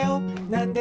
なんで？